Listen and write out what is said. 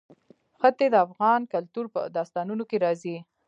ښتې د افغان کلتور په داستانونو کې راځي.